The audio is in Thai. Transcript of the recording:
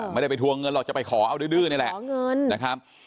ไม่ได้ไปทวงเงินหรอกจะไปขอเอาดื้อนี่แหละขอเงินนะครับ